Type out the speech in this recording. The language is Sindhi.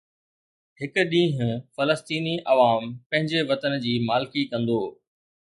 هڪ ڏينهن فلسطيني عوام پنهنجي وطن جي مالڪي ڪندو